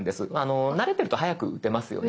慣れてると速く打てますよね。